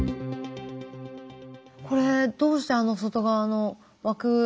これどうして外側の枠。